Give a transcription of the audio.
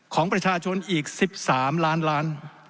ของประชาชนอีก๑๓ล้านล้าน